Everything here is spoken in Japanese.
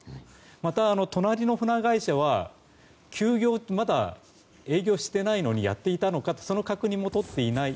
また、隣の船会社はまだ営業していないのにやっていたのかというその確認もとっていない。